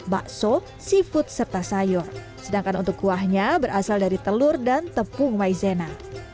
bakso seafood serta sayur sedangkan untuk kuahnya berasal dari telur dan tepung maizena